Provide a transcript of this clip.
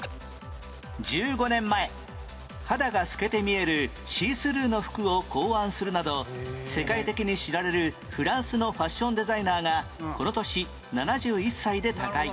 １５年前肌が透けて見えるシースルーの服を考案するなど世界的に知られるフランスのファッションデザイナーがこの年７１歳で他界